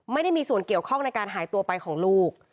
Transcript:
ไม่ได้มีส่วนเกี่ยวข้องในการหายตัวไปของลูก